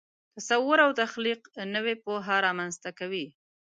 تصور او تخلیق نوې پوهه رامنځته کوي.